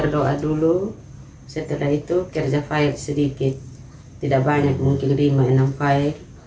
dulu setelah itu kerja fail sedikit tidak banyak mungkin lima enam fail